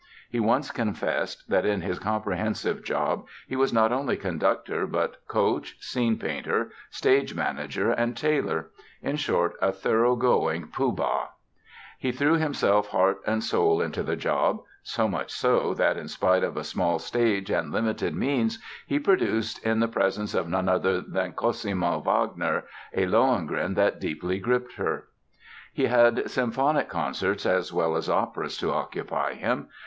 He once confessed that in his comprehensive job he was not only conductor but "coach, scene painter, stage manager and tailor"—in short, a thoroughgoing Pooh Bah. He threw himself heart and soul into the job, so much so that in spite of a small stage and limited means he produced, in the presence of none other than Cosima Wagner a Lohengrin that deeply gripped her. He had symphonic concerts as well as operas to occupy him.